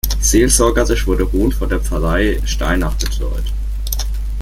Seelsorgerisch wurde Hohn von der Pfarrei Steinach betreut.